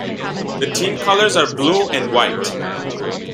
The team colours are blue and white.